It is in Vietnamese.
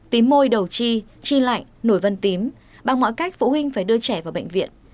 tím môi đầu chi chi lạnh nổi vân tím bằng mọi cách phụ huynh phải đưa trẻ vào bệnh viện